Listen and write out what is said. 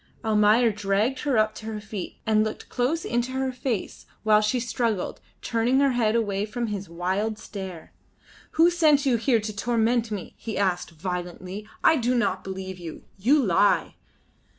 Almayer dragged her up to her feet and looked close into her face while she struggled, turning her head away from his wild stare. "Who sent you here to torment me?" he asked, violently. "I do not believe you. You lie."